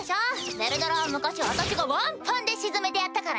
ヴェルドラは昔私がワンパンで沈めてやったからね。